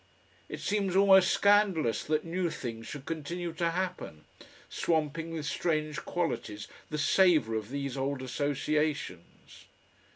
It seems almost scandalous that new things should continue to happen, swamping with strange qualities the savour of these old associations.